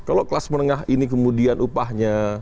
kalau kelas menengah ini kemudian upahnya